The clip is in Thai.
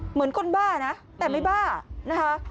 เหมือนคนบ้านะแต่ไม่บ้านะคะ